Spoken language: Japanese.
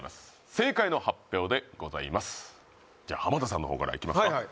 正解の発表でございますじゃあ浜田さんの方からいきますか